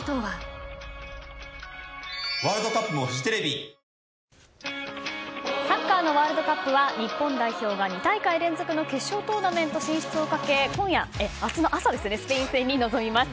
へぇサッカーのワールドカップは日本代表が２大会連続の決勝トーナメント進出をかけ明日の朝スペイン戦に臨みます。